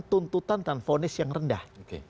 tuntutan dan fonis yang rendah